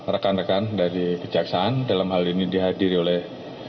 rekan rekan dari kejaksaan dalam hal ini dihadiri oleh